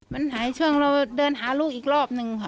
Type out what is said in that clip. มันหายช่วงเราเดินหาลูกอีกรอบหนึ่งค่ะ